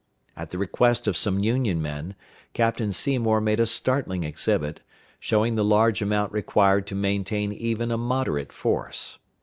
At the request of some Union men, Captain Seymour made a startling exhibit, showing the large amount required to maintain even a moderate force.